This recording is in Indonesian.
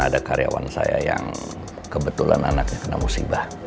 ada karyawan saya yang kebetulan anaknya kena musibah